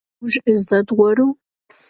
آیا موږ عزت غواړو؟